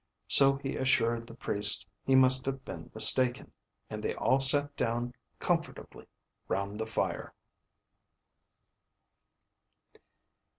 So he assured the Priest he must have been mistaken; and they all sat down comfortably round the fire.